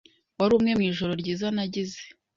Wari umwe mu ijoro ryiza nagize.